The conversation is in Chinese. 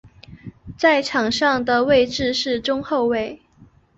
在场上的位置是中后卫。